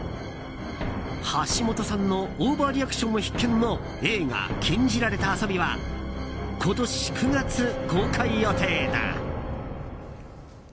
橋本さんのオーバーリアクションも必見の映画「禁じられた遊び」は今年９月公開予定だ。